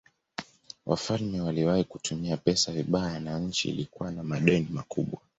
Wafalme waliwahi kutumia pesa vibaya na nchi ilikuwa na madeni makubwa.